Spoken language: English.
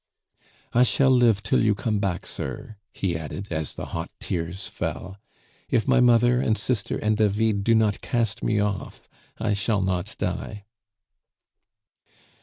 "I shall live till you come back, sir," he added, as the hot tears fell. "If my mother, and sister, and David do not cast me off, I shall not die."